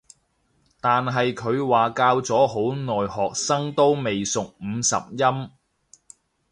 但係佢話教咗好耐學生都未熟五十音